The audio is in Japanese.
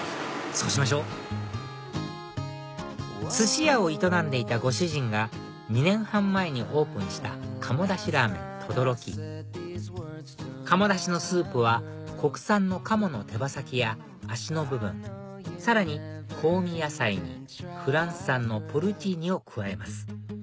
そうしましょ寿司屋を営んでいたご主人が２年半前にオープンした鴨だしらぁ麺轟鴨だしのスープは国産の鴨の手羽先や脚の部分さらに香味野菜にフランス産のポルチーニを加えます